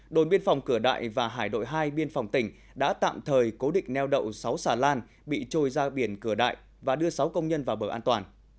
đồn biên phòng cửa đại và hải đội hai biên phòng tỉnh đã tạm thời cố định neo đậu sáu xà lan bị trôi ra biển cửa đại và đưa sáu công nhân vào bờ an toàn